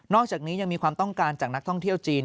อกจากนี้ยังมีความต้องการจากนักท่องเที่ยวจีน